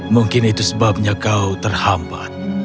mungkin itu sebabnya kau terhambat